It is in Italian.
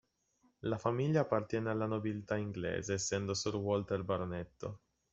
La famiglia appartiene alla nobiltà inglese, essendo Sir Walter baronetto.